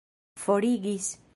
forigis